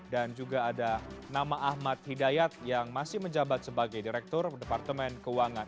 dan juga ada nama ahmad hidayat yang masih menjabat sebagai direktur departemen keuangan